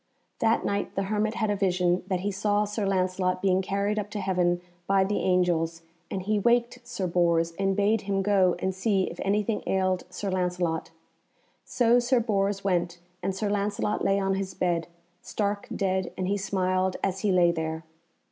That night the hermit had a vision that he saw Sir Lancelot being carried up to heaven by the angels, and he waked Sir Bors and bade him go and see if anything ailed Sir Lancelot. So Sir Bors went and Sir Lancelot lay on his bed, stark dead, and he smiled as he lay there.